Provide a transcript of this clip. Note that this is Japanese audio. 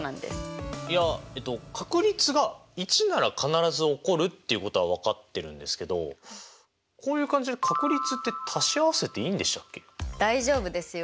いやえっと確率が１なら必ず起こるっていうことは分かってるんですけどこういう感じで大丈夫ですよ。